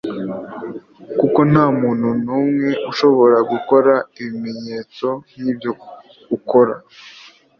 kuko nta muntu n’umwe ushobora gukora ibimenyetso nk’ibyo ukora